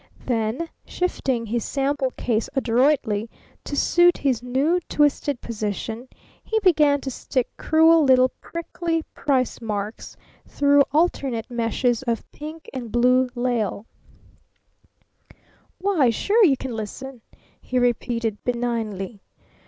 Then, shifting his sample case adroitly to suit his new twisted position, he began to stick cruel little prickly price marks through alternate meshes of pink and blue lisle. "Why, sure you can listen!" he repeated benignly.